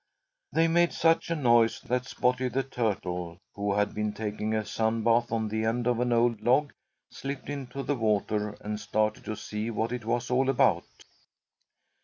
They made such a noise that Spotty the Turtle, who had been taking a sun bath on the end of an old log, slipped into the water and started to see what it was all about.